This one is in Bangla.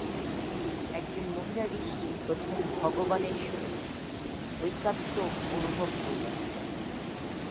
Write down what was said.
একজন মহিলা-ঋষিই প্রথম ভগবানের সহিত ঐকাত্ম্য অনুভব করিয়াছিলেন।